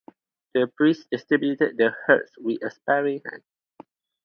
The priest distributed the herbs with a sparing hand.